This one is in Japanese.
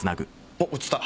おっ映った。